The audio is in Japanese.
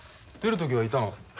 出る時はいたの？